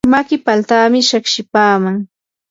maki paltami shiqshipaaman.